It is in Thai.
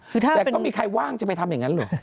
คือถ้าแต่ก็มีใครว่างจะไปทำอย่างงั้นหรอ